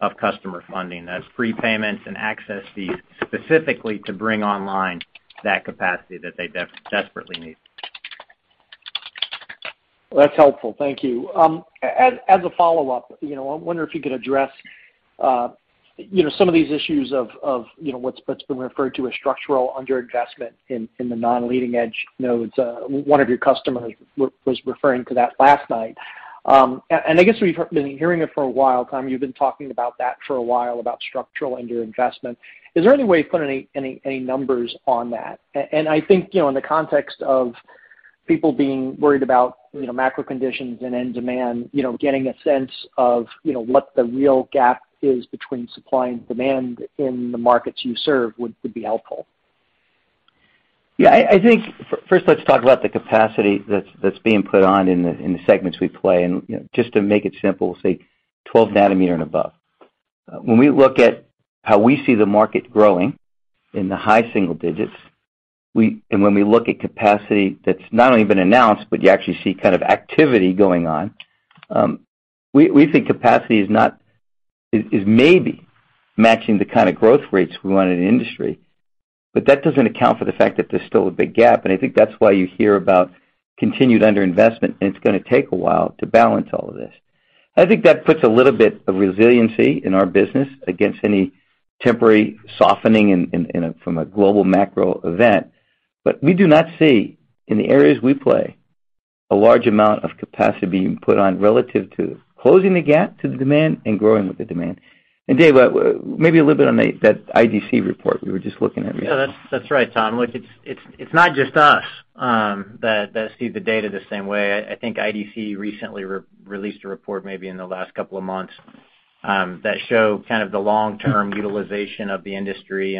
Speaker 4: of customer funding. That's prepayments and access fees specifically to bring online that capacity that they desperately need.
Speaker 10: That's helpful. Thank you. As a follow-up, you know, I wonder if you could address, you know, some of these issues of, you know, what's been referred to as structural underinvestment in the non-leading edge nodes. One of your customers was referring to that last night. I guess, we've been hearing it for a while, Tom. You've been talking about that for a while, about structural underinvestment. Is there any way of putting any numbers on that? I think, you know, in the context of people being worried about, you know, macro conditions and end demand, you know, getting a sense of, you know, what the real gap is between supply and demand in the markets you serve would be helpful.
Speaker 3: Yeah. I think first let's talk about the capacity that's being put on in the segments we play. You know, just to make it simple, we'll say 12 nanometer and above. When we look at how we see the market growing in the high single digits%, we think capacity is not only been announced, but you actually see kind of activity going on. We think capacity is maybe matching the kind of growth rates we want in an industry. That doesn't account for the fact that there's still a big gap, and I think that's why you hear about continued underinvestment, and it's gonna take a while to balance all of this. I think that puts a little bit of resiliency in our business against any temporary softening from a global macro event. We do not see, in the areas we play, a large amount of capacity being put on relative to closing the gap to the demand and growing with the demand. Dave, maybe a little bit on that IDC report we were just looking at yesterday.
Speaker 4: Yeah, that's right, Tom. Look, it's not just us that sees the data the same way. I think IDC recently re-released a report maybe in the last couple of months that show kind of the long-term utilization of the industry.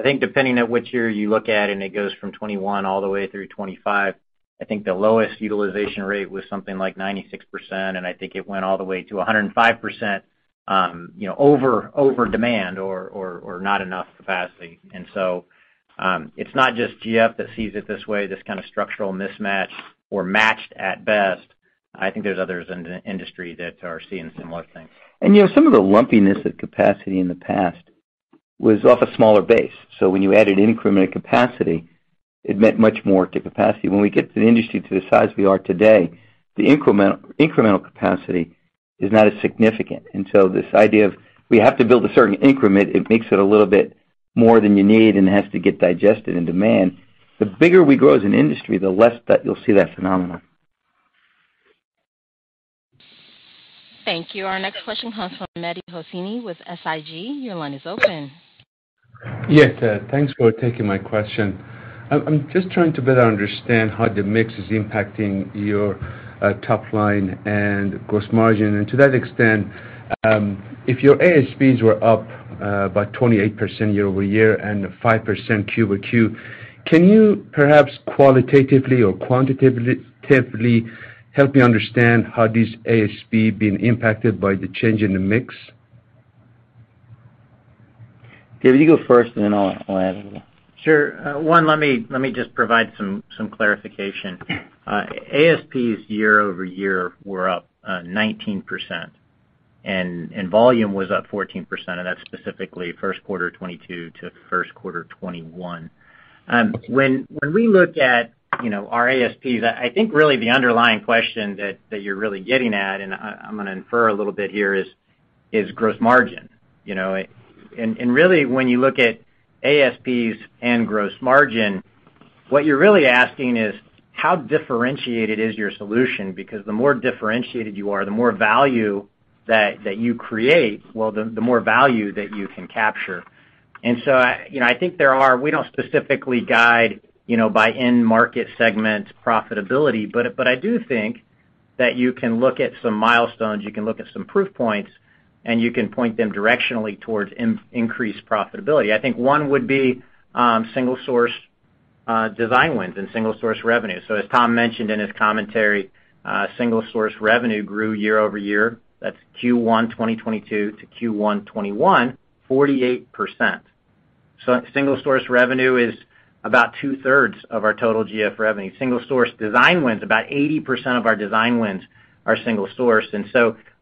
Speaker 4: I think depending on which year you look at, and it goes from 2021 all the way through 2025, I think the lowest utilization rate was something like 96%, and I think it went all the way to 105%, you know, over demand or not enough capacity. It's not just GF that sees it this way, this kind of structural mismatch or matched at best. I think there's others in the industry that are seeing similar things.
Speaker 3: You know, some of the lumpiness of capacity in the past was off a smaller base. When you added increment capacity, it meant much more to capacity. When we get to the industry to the size we are today, the incremental capacity is not as significant. This idea of we have to build a certain increment, it makes it a little bit more than you need and has to get digested in demand. The bigger we grow as an industry, the less that you'll see that phenomenon.
Speaker 1: Thank you. Our next question comes from Mehdi Hosseini with SIG. Your line is open.
Speaker 11: Yes. Thanks for taking my question. I'm just trying to better understand how the mix is impacting your top line and gross margin. To that extent, if your ASPs were up by 28% year-over-year and 5% Q-over-Q, can you perhaps qualitatively or quantitatively help me understand how this ASP been impacted by the change in the mix?
Speaker 3: Dave, you go first, and then I'll add a little.
Speaker 4: Sure. Let me just provide some clarification. ASPs year-over-year were up 19% and volume was up 14%, and that's specifically first quarter 2022 to first quarter 2021. When we look at, you know, our ASPs, I think really the underlying question that you're really getting at, and I'm gonna infer a little bit here, is gross margin. You know, really, when you look at ASPs and gross margin, what you're really asking is how differentiated is your solution? Because the more differentiated you are, the more value that you create, well, the more value that you can capture. You know, I think there are We don't specifically guide, you know, by end market segment profitability, but I do think that you can look at some milestones, you can look at some proof points, and you can point them directionally towards increased profitability. I think one would be, single source design wins and single source revenue. So as Tom mentioned in his commentary, single source revenue grew year-over-year. That's Q1 2022 to Q1 2021, 48%. So single source revenue is about 2/3 of our total GF revenue. Single source design wins, about 80% of our design wins are single source.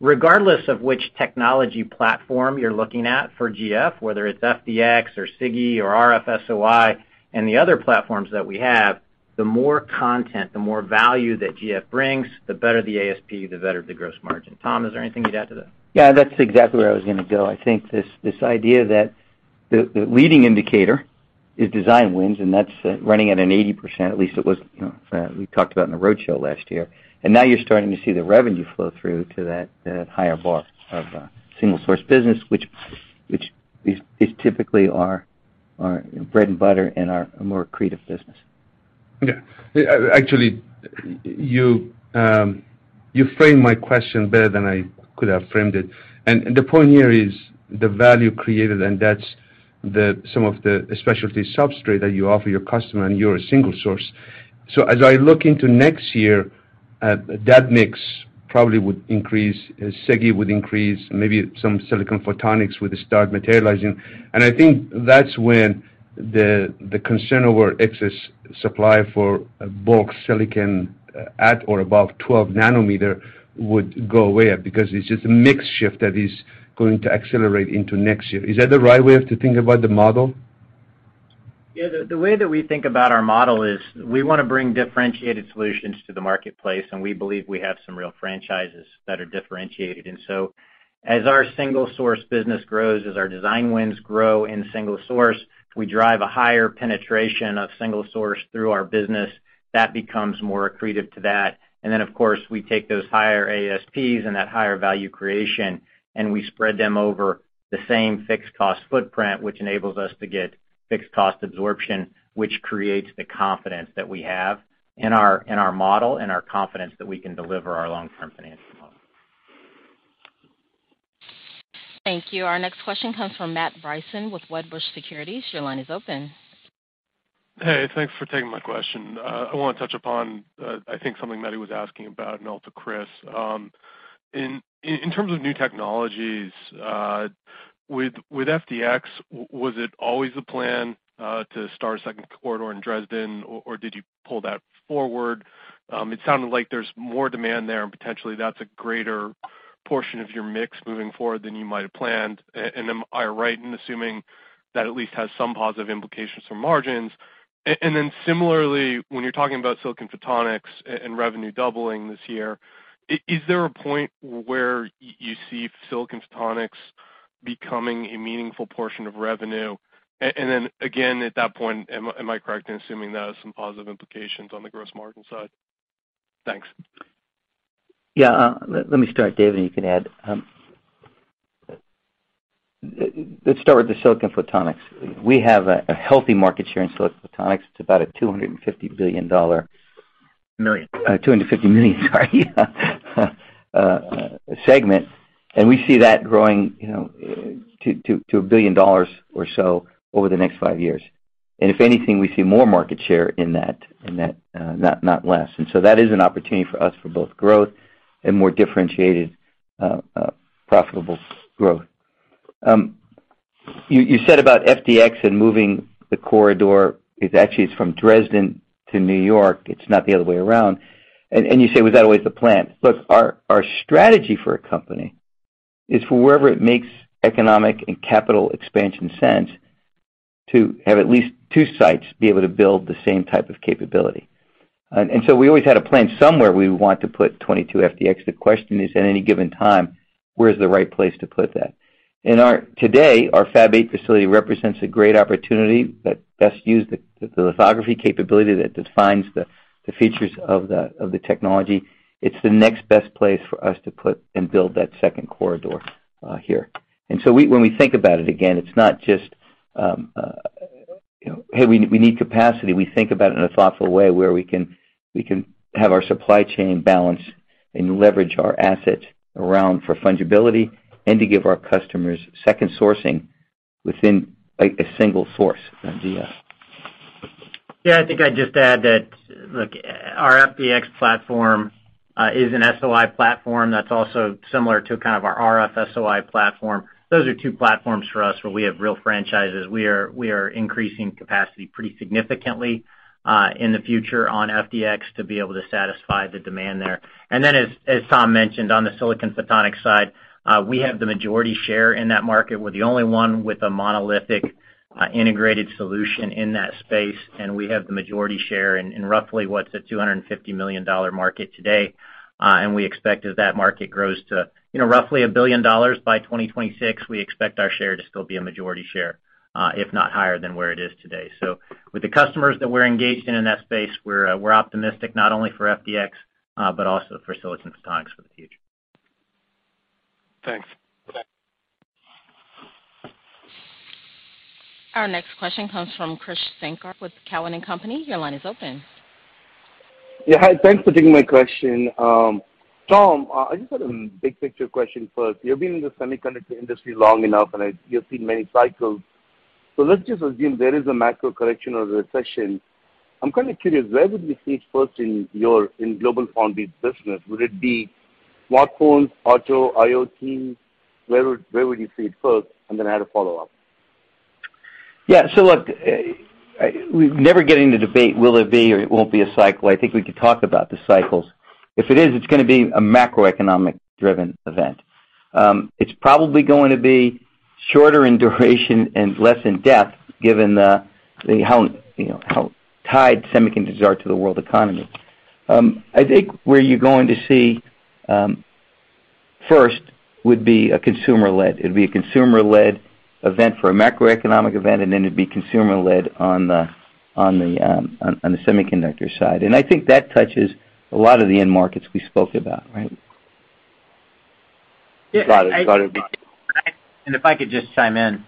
Speaker 4: Regardless of which technology platform you're looking at for GF, whether it's FDX or SiGe or RF SOI and the other platforms that we have, the more content, the more value that GF brings, the better the ASP, the better the gross margin. Tom, is there anything you'd add to that?
Speaker 3: Yeah, that's exactly where I was gonna go. I think this idea that the leading indicator is design wins, and that's running at 80%, at least it was, you know, we talked about in the roadshow last year. Now, you're starting to see the revenue flow through to that higher bar of single-source business, which is typically our bread and butter and our more accretive business.
Speaker 11: Yeah. Actually, you framed my question better than I could have framed it. The point here is the value created, and that's some of the specialty substrate that you offer your customer, and you're a single source. As I look into next year, that mix probably would increase, SiGe would increase, maybe some silicon photonics would start materializing. I think that's when the concern over excess supply for bulk silicon at or above 12 nanometer would go away because it's just a mix shift that is going to accelerate into next year. Is that the right way to think about the model?
Speaker 4: Yeah. The way that we think about our model is we wanna bring differentiated solutions to the marketplace, and we believe we have some real franchises that are differentiated. As our single source business grows, as our design wins grow in single source, we drive a higher penetration of single source through our business, that becomes more accretive to that. Of course, we take those higher ASPs and that higher value creation, and we spread them over the same fixed cost footprint, which enables us to get fixed cost absorption, which creates the confidence that we have in our model and our confidence that we can deliver our long-term financial model.
Speaker 1: Thank you. Our next question comes from Matt Bryson with Wedbush Securities. Your line is open.
Speaker 12: Hey, thanks for taking my question. I wanna touch upon, I think something Mehdi was asking about, and also Chris. In terms of new technologies, with 22FDX, was it always the plan to start a second corridor in Dresden, or did you pull that forward? It sounded like there's more demand there, and potentially that's a greater portion of your mix moving forward than you might have planned. And am I right in assuming that at least has some positive implications for margins? And then similarly, when you're talking about silicon photonics and revenue doubling this year, is there a point where you see silicon photonics becoming a meaningful portion of revenue? And then again, at that point, am I correct in assuming that has some positive implications on the gross margin side? Thanks.
Speaker 3: Let me start, Dave, and you can add. Let's start with the silicon photonics. We have a healthy market share in silicon photonics. It's about $250 billion-
Speaker 4: Million.
Speaker 3: $250 million, sorry. Segment, and we see that growing, you know, to $1 billion or so over the next five years. If anything, we see more market share in that, not less. That is an opportunity for us for both growth and more differentiated, profitable growth. You said about 22FDX and moving the capacity. It's actually, it's from Dresden to New York. It's not the other way around. You say, was that always the plan? Look, our strategy for a company is for wherever it makes economic and CapEx sense to have at least two sites be able to build the same type of capability. We always had a plan somewhere we want to put 22FDX. The question is, at any given time, where is the right place to put that? Today, our Fab 8 facility represents a great opportunity that best use the lithography capability that defines the features of the technology. It's the next best place for us to put and build that second corridor here. When we think about it again, it's not just hey, we need capacity. We think about it in a thoughtful way where we can have our supply chain balance and leverage our assets around for fungibility and to give our customers second sourcing within like a single source idea.
Speaker 4: Yeah, I think I'd just add that, look, our 22FDX platform is an SOI platform that's also similar to kind of our RF SOI platform. Those are two platforms for us where we have real franchises. We are increasing capacity pretty significantly in the future on 22FDX to be able to satisfy the demand there. Then as Tom mentioned, on the silicon photonics side, we have the majority share in that market. We're the only one with a monolithic integrated solution in that space, and we have the majority share in roughly what's a $250 million market today. We expect as that market grows to, you know, roughly $1 billion by 2026, we expect our share to still be a majority share, if not higher than where it is today. With the customers that we're engaged in that space, we're optimistic not only for 22FDX, but also for silicon photonics for the future.
Speaker 12: Thanks.
Speaker 1: Our next question comes from Krish Sankar with Cowen and Company. Your line is open.
Speaker 13: Yeah. Hi, thanks for taking my question. Tom, I just had a big picture question first. You've been in the semiconductor industry long enough, you've seen many cycles. Let's just assume there is a macro correction or a recession. I'm kind of curious, where would we see it first in your GlobalFoundries business? Would it be smartphones, auto, IoT? Where would you see it first? And then I had a follow-up.
Speaker 3: Yeah. Look, we're never getting the debate, will it be or it won't be a cycle. I think we could talk about the cycles. If it is, it's gonna be a macroeconomic-driven event. It's probably going to be shorter in duration and less in depth given the how, you know, how tied semiconductors are to the world economy. I think where you're going to see, first would be a consumer-led. It'd be a consumer-led event for a macroeconomic event, and then it'd be consumer-led on the semiconductor side. I think that touches a lot of the end markets we spoke about, right?
Speaker 4: Yeah.
Speaker 13: Got it. Got it.
Speaker 4: If I could just chime in.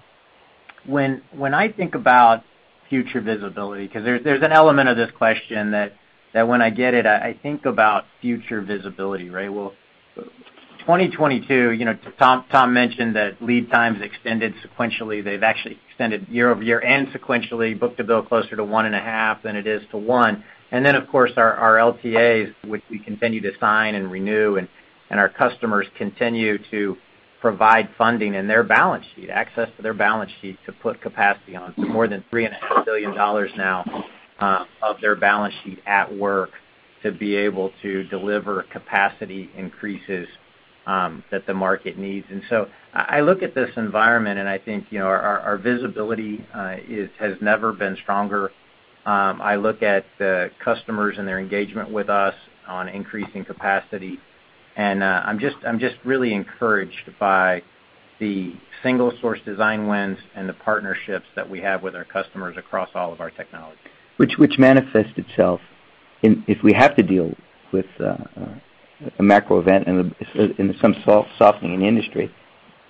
Speaker 4: When I think about future visibility, 'cause there's an element of this question that when I get it, I think about future visibility, right? Well, 2022, you know, Tom mentioned that lead times extended sequentially. They've actually extended year-over-year and sequentially, book-to-bill closer to 1.5 than it is to 1. Of course, our LTAs, which we continue to sign and renew, and our customers continue to provide funding in their balance sheet, access to their balance sheet to put capacity on. More than $3.5 billion now of their balance sheet at work to be able to deliver capacity increases that the market needs. I look at this environment and I think, you know, our visibility has never been stronger. I look at the customers and their engagement with us on increasing capacity, and I'm just really encouraged by the single source design wins and the partnerships that we have with our customers across all of our technologies.
Speaker 3: Which manifests itself in if we have to deal with a macro event and some softening in the industry,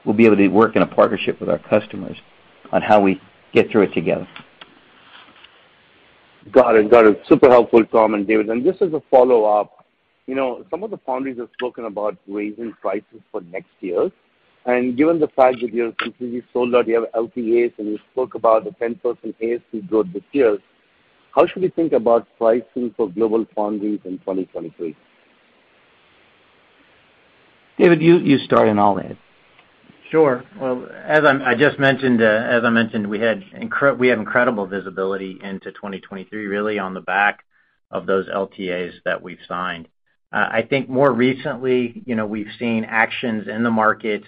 Speaker 3: we'll be able to work in a partnership with our customers on how we get through it together.
Speaker 13: Got it. Super helpful, Tom and Dave. Just as a follow-up, you know, some of the foundries have spoken about raising prices for next year. Given the fact that you're completely sold out, you have LTAs, and you spoke about the 10% ASP growth this year, how should we think about pricing for GlobalFoundries in 2023?
Speaker 3: Dave, you start, and I'll add.
Speaker 4: Sure. Well, as I just mentioned, we have incredible visibility into 2023, really on the back of those LTAs that we've signed. I think more recently, you know, we've seen actions in the market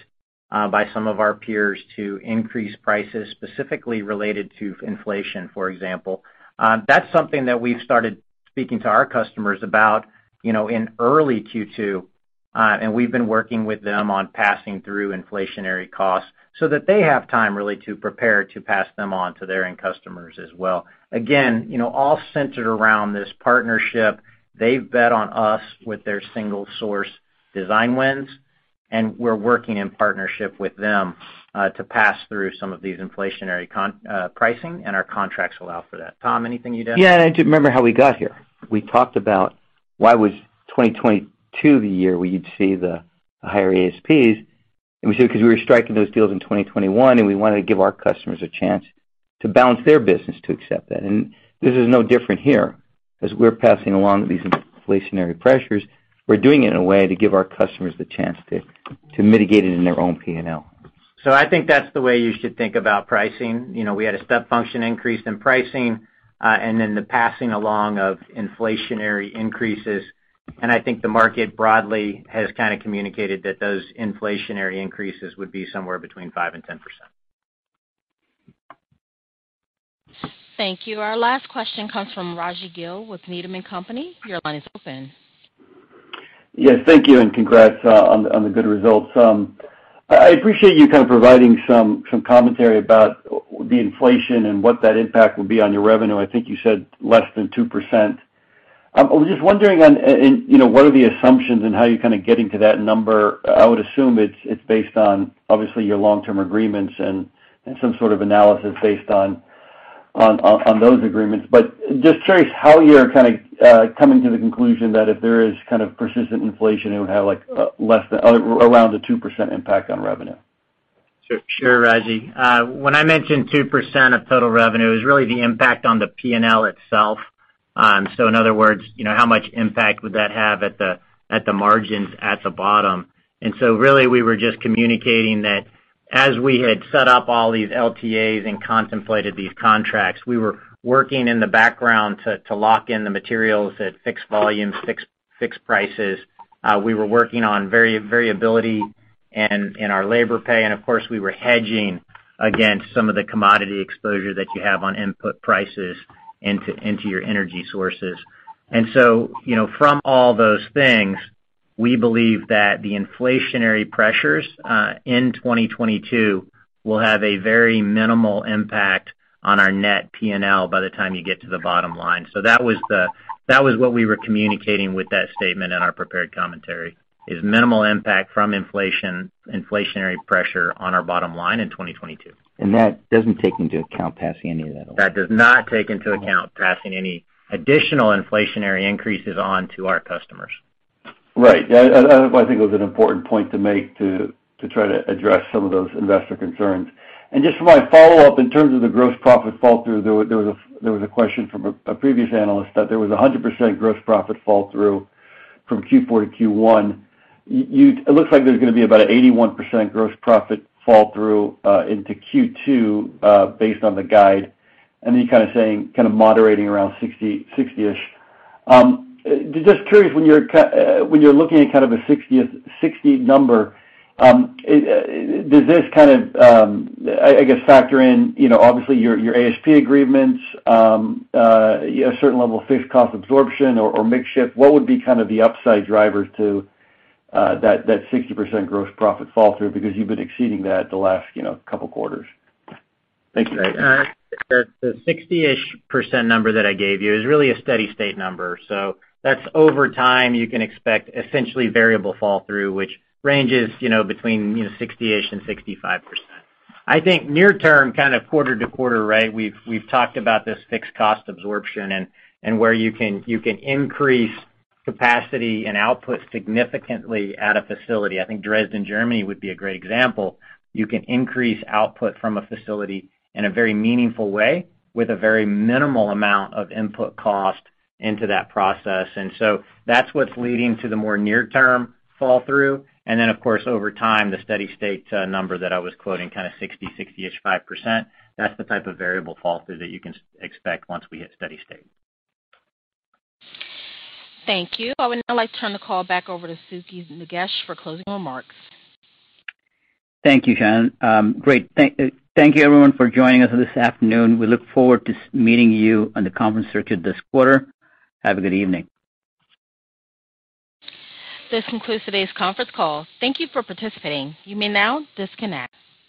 Speaker 4: by some of our peers to increase prices, specifically related to inflation, for example. That's something that we've started speaking to our customers about, you know, in early Q2. We've been working with them on passing through inflationary costs so that they have time really to prepare to pass them on to their end customers as well. Again, you know, all centered around this partnership. They've bet on us with their single source design wins, and we're working in partnership with them to pass through some of these inflationary pricing, and our contracts allow for that. Tom, anything you'd add?
Speaker 3: Yeah. To remember how we got here, we talked about why was 2022 the year where you'd see the higher ASPs, and we said because we were striking those deals in 2021, and we wanted to give our customers a chance to balance their business to accept that. This is no different here. As we're passing along these inflationary pressures, we're doing it in a way to give our customers the chance to mitigate it in their own P&L.
Speaker 4: I think that's the way you should think about pricing. You know, we had a step function increase in pricing, and then the passing along of inflationary increases. I think the market broadly has kind of communicated that those inflationary increases would be somewhere between 5%-10%.
Speaker 1: Thank you. Our last question comes from Rajvindra Gill with Needham & Company. Your line is open.
Speaker 14: Yes, thank you, and congrats on the good results. I appreciate you kind of providing some commentary about the inflation and what that impact will be on your revenue. I think you said less than 2%. I was just wondering, and you know, what are the assumptions and how you're kind of getting to that number. I would assume it's based on obviously your long-term agreements and some sort of analysis based on those agreements. But just curious how you're kind of coming to the conclusion that if there is kind of persistent inflation, it would have like less than or around a 2% impact on revenue.
Speaker 4: Sure, Raji. When I mentioned 2% of total revenue, it was really the impact on the P&L itself. So in other words, you know, how much impact would that have at the margins at the bottom? Really we were just communicating that as we had set up all these LTAs and contemplated these contracts, we were working in the background to lock in the materials at fixed volume, fixed prices. We were working on variability and our labor pay, and of course, we were hedging against some of the commodity exposure that you have on input prices into your energy sources. You know, from all those things, we believe that the inflationary pressures in 2022 will have a very minimal impact on our net P&L by the time you get to the bottom line. That was what we were communicating with that statement in our prepared commentary, is minimal impact from inflationary pressure on our bottom line in 2022.
Speaker 3: That doesn't take into account passing any of that along.
Speaker 4: That does not take into account passing any additional inflationary increases on to our customers.
Speaker 14: Right. Yeah. I think it was an important point to make to try to address some of those investor concerns. Just my follow-up, in terms of the gross profit fall through, there was a question from a previous analyst that there was 100% gross profit fall through from Q4 to Q1. It looks like there's gonna be about 81% gross profit fall through into Q2 based on the guide, and then kind of saying, kind of moderating around 60-ish%. Just curious, when you're looking at kind of a sixty number, it does this kind of, I guess, factor in, you know, obviously your ASP agreements, a certain level of fixed cost absorption or mix shift? What would be kind of the upside drivers to that 60% gross profit flow-through? Because you've been exceeding that the last, you know, couple quarters. Thank you.
Speaker 4: Right. The 60-ish% number that I gave you is really a steady-state number. That's over time, you can expect essentially variable flow-through, which ranges, you know, between, you know, 60-ish% and 65%. I think near-term, kind of quarter-to-quarter, right, we've talked about this fixed cost absorption and where you can increase capacity and output significantly at a facility. I think Dresden, Germany, would be a great example. You can increase output from a facility in a very meaningful way with a very minimal amount of input cost into that process. That's what's leading to the more near-term flow-through. Of course, over time, the steady-state number that I was quoting, kind of 60%-65%, that's the type of variable flow-through that you can expect once we hit steady state.
Speaker 1: Thank you. I would now like to turn the call back over to Sukhi Nagesh for closing remarks.
Speaker 2: Thank you, Shannon. Great. Thank you everyone for joining us this afternoon. We look forward to meeting you on the conference circuit this quarter. Have a good evening.
Speaker 1: This concludes today's conference call. Thank you for participating. You may now disconnect.